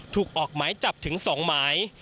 ถูกออกหมายจับถึง๒หมาย